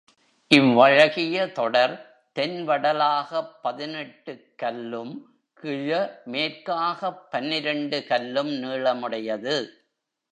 இவ்வழகிய தொடர், தென்வடலாகப் பதினெட்டுக் கல்லும், கிழ மேற்காகப் பன்னிரண்டு கல்லும் நீளமுடையது.